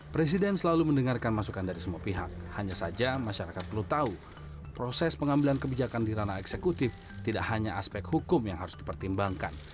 presiden selalu mendengarkan masukan dari semua pihak hanya saja masyarakat perlu tahu proses pengambilan kebijakan di ranah eksekutif tidak hanya aspek hukum yang harus dipertimbangkan